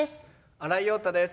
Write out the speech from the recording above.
新井庸太です。